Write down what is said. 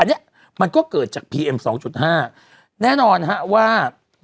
อันนี้มันก็เกิดจากพีเอ็มสองจุดห้าแน่นอนฮะว่า